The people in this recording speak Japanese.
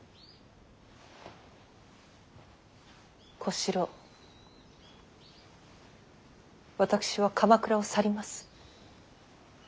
小四郎私は鎌倉を去ります。